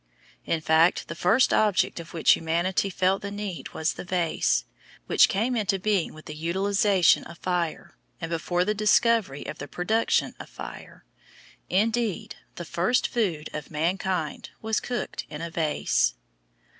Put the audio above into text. In fact the first object of which humanity felt the need was the vase, which came into being with the utilisation of fire, and before the discovery of the production of fire. Indeed the first food of mankind was cooked in a vase.